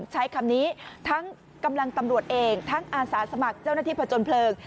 ใช้คำนี้ทั้งกำลังตำรวจเองทั้งอาสาสมัครเจ้าหน้าที่ผจญเพลิง